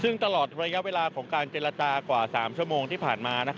ซึ่งตลอดระยะเวลาของการเจรจากว่า๓ชั่วโมงที่ผ่านมา